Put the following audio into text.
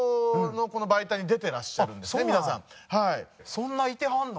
そんないてはるの？